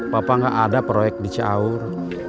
papa gak ada proyek di ciawur